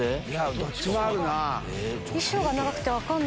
どっちもあるな。